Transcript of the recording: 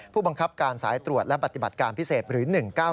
ผู้บังคับการสายตรวจและปฏิบัติการพิเศษหรือ๑๙๙